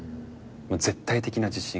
絶対的な自信。